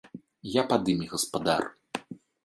Я пад імі гаспадар!